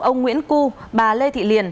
ông nguyễn cư bà lê thị liền